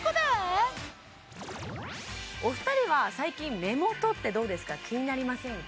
お二人は最近目元ってどうですか気になりませんか？